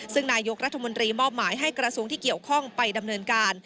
ซึ่งนายกรัฐมนตรีมอบหมายให้กระทรวงที่เกี่ยวข้องไปดำเนินการ